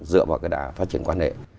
dựa vào cái phát triển quan hệ